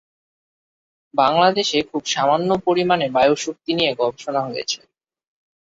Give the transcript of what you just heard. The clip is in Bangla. বাংলাদেশে খুব সামান্য পরিমানে বায়ু শক্তি নিয়ে গবেষণা হয়েছে।